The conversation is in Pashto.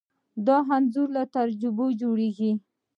دا انځور له تجربې جوړېږي.